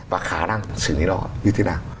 và khả năng xử lý nó như thế nào